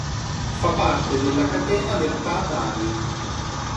Fa parte della catena del Tat Ali.